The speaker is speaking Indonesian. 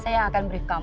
saya yang akan brief kamu